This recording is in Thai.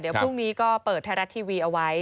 เดี๋ยวพรุ่งนี้ก็เปิดไทยรัฐทีวีเอาไว้